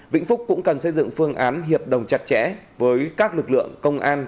vĩnh phúc cũng cần xây dựng phương án hiệp đồng chặt chẽ với các lực lượng công an